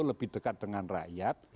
lebih dekat dengan rakyat